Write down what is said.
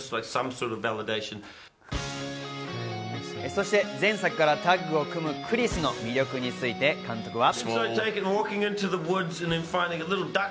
そして前作からタッグを組む、クリスの魅力について監督は。